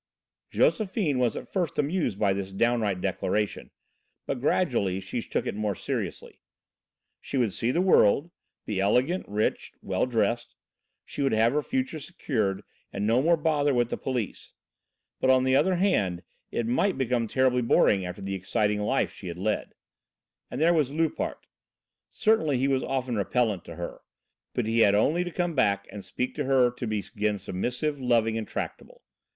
Josephine was at first amused by this downright declaration, but gradually she took it more seriously. She would see the world, be elegant, rich, well dressed. She would have her future secured and no more bother with the police. But, on the other hand, it might become terribly boring after the exciting life she had led. And there was Loupart. Certainly he was often repellant to her, but he had only to come back and speak to her to be again submissive, loving and tractable.